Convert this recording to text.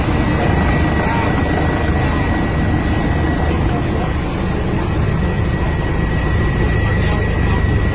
ก่อนรับฤทธิปราศนพุธ